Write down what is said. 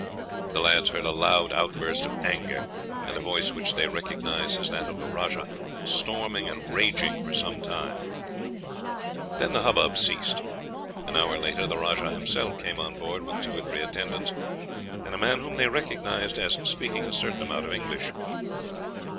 The lads heard a loud outburst of anger, and a voice which they recognized as that of the rajah storming and raging for some time; then the hubbub ceased. An hour later the rajah himself came on board with two or three attendants, and a man whom they recognized as speaking a certain amount of English.